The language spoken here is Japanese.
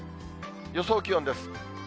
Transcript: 予想気温です。